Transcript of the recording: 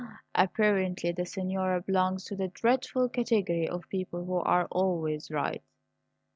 "Apparently the signora belongs to the dreadful category of people who are always right!